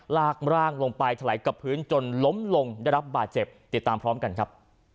ลากร่างลงไปถลายกับพื้นจนล้มลงได้รับบาดเจ็บติดตามพร้อมกันครับ